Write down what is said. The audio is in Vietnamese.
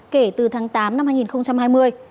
kể từ tháng tám năm hai nghìn hai mươi